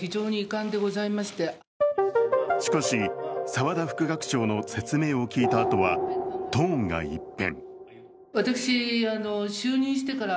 しかし、澤田副学長の説明を聞いたあとはトーンが一変。